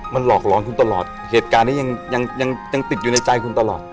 มันหลอกหลอนคุณตลอดเหตุการณ์นี้ยังยังติดอยู่ในใจคุณตลอด